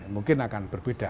mungkin akan berbeda